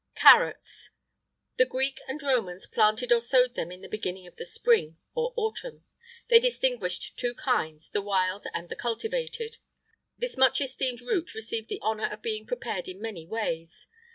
[IX 74] CARROTS. The Greeks and Romans planted or sowed them in the beginning of the spring, or autumn.[IX 75] They distinguished two kinds, the wild and the cultivated.[IX 76] This much esteemed root received the honour of being prepared in many ways.